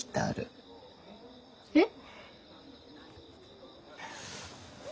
えっ？